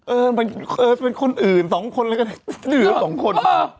เออเป็นคนอื่นสองคนเลยก็ได้เหลือ๒คน